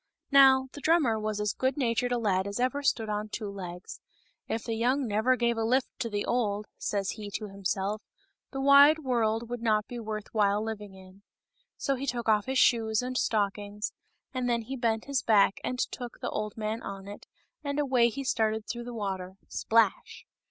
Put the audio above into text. Now, the drummer was as good natured a lad as ever stood on two legs. " If the young never gave a lift to the old," says he to himself, the wide world would not be worth while living in." So he took off his shoes and stockings, and then he bent his back and took the old man on it, and away he started through the water — splash